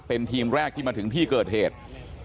เป็นทีมแรกที่มาถึงที่เกิดเหตุ